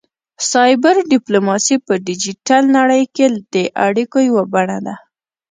سایبر ډیپلوماسي په ډیجیټل نړۍ کې د اړیکو یوه بڼه ده